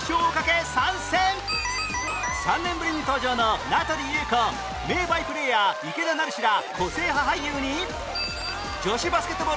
３年ぶりに登場の名取裕子名バイプレーヤー池田成志ら個性派俳優に